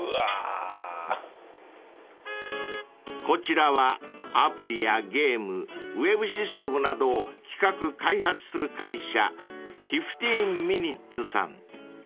［こちらはアプリやゲームウェブシステムなどを企画開発する会社フィフティーンミニッツさん］